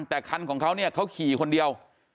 แต่คันของเขาเนี่ยเขาขี่คนเดียว